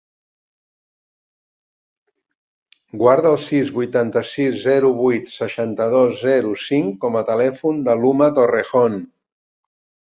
Guarda el sis, vuitanta-sis, zero, vuit, seixanta-dos, zero, cinc com a telèfon de l'Uma Torrejon.